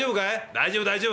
「大丈夫大丈夫。